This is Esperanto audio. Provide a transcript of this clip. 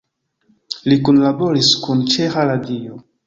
Li kunlaboris kun Ĉeĥa Radio.